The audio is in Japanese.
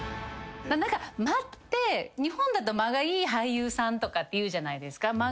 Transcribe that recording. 間って日本だと間がいい俳優さんとかって言うじゃないですか。